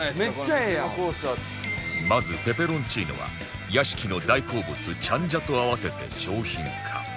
まずペペロンチーノは屋敷の大好物チャンジャと合わせて商品化